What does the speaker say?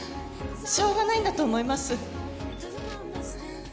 しようがないんだと思います！